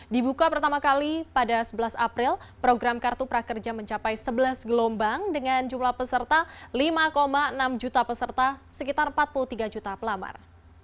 dibuka pertama kali pada sebelas april program kartu prakerja mencapai sebelas gelombang dengan jumlah peserta lima enam juta peserta sekitar empat puluh tiga juta pelamar